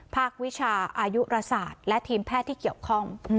วิชาอายุราศาสตร์และทีมแพทย์ที่เกี่ยวข้อง